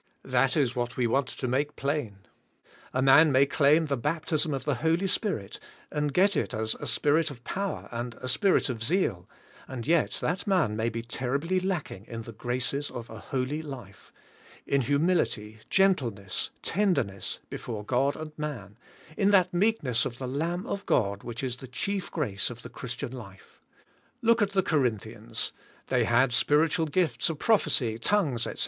That is what we want to make plain. A man may claim the baptism of the Holy Spirit and get it as a Spirit of power and a Spirit of zeal, and yet that man may be ter ribly lacking in the graces of a holy life — in humil ity, gentleness, tenderness, before God and man, in that meekness of the Lamb of God which is the chief grace of the Christian life. Look at the Cor inthians; they had spiritual gifts of prophecy, tongues, etc.